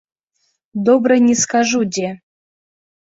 Добра не скажу дзе.